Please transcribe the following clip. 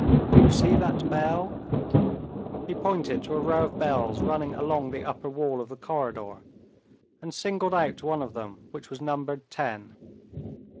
Do you see that bell?" He pointed to a row of bells running along the upper wall of the corridor, and singled out one of them which was numbered ten.